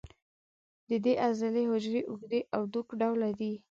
د دې عضلې حجرې اوږدې او دوک ډوله دي.